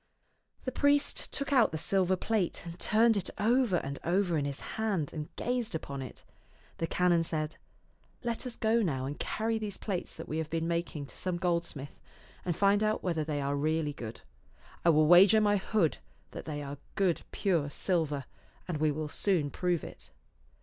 The priest took out the silver plate, and turned it over and over in his hand, and gazed upon it. The canon said, " Let us go now and carry these plates that we have been making to some goldsmith, and find out whether they are really good. I will wager my hood that they are good pure silver, and we will soon prove it."